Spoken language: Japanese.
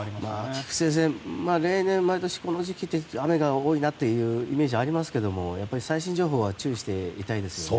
菊地先生、例年この時期は雨が多いなというイメージがありますけれども最新情報には注意したいですね。